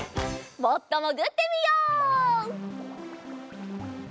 もっともぐってみよう。